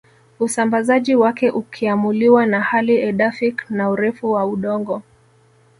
Usambazaji wake ukiamuliwa na hali edaphic na urefu wa udongo